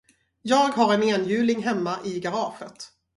Jag har en enhjuling hemma i garaget.